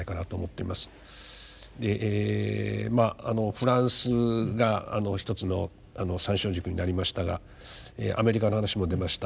フランスがひとつの参照軸になりましたがアメリカの話も出ました